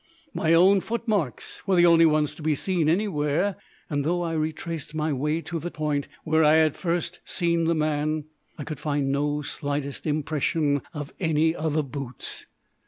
My own foot marks were the only ones to be seen anywhere, and though I retraced my way to tile point where I had first seen the man, I could find no slightest impression of any other boots.